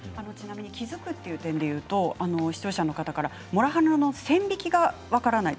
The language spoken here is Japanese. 気付くという点で視聴者の方からモラハラの線引きが分からない